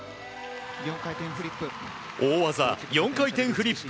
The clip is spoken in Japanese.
４回転フリップ。